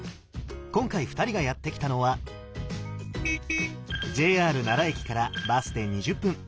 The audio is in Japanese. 今回二人がやって来たのはＪＲ奈良駅からバスで２０分。